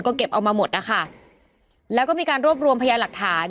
ก็เก็บเอามาหมดนะคะแล้วก็มีการรวบรวมพยานหลักฐาน